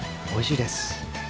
おいしいです。